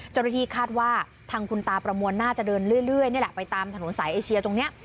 จ้าโนที่คาดว่าทางคุณตาประมวลน่าจะเดินเรื่อยไปตามถนนสายไอเชียส์ตรงนี้